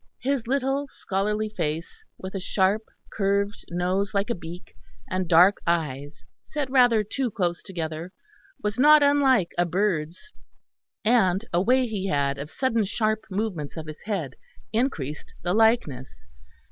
His little scholarly face, with a sharp curved nose like a beak, and dark eyes set rather too close together, was not unlike a bird's; and a way he had of sudden sharp movements of his head increased the likeness.